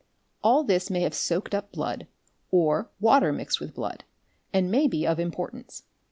All this may have soaked up blood, or water mixed with blood, and may be of importance.